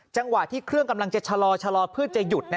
จังหวะที่เครื่องกำลังจะชะลอเพื่อจะหยุด